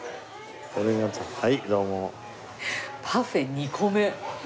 パフェ２個目。